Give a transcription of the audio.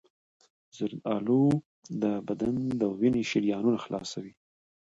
زردآلو د بدن د وینې شریانونه خلاصوي.